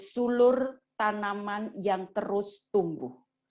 sulur tanaman yang terus tumbuh